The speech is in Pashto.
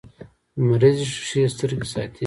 لمریزې شیشې سترګې ساتي